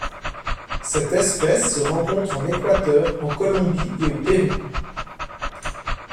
Cette espèce se rencontre en Équateur, en Colombie et au Pérou.